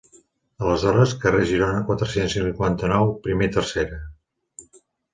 Aleshores, Carrer Girona quatre-cents cinquanta-nou, primer tercera.